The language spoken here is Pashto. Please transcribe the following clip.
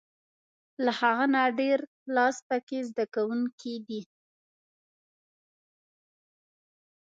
له هغه نه ډېر لاس په کې د زده کوونکي دی.